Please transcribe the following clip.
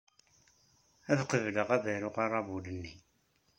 Ad qebleɣ ad aruɣ aṛabul-nni.